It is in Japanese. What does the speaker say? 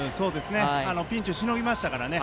ピンチをしのぎましたからね。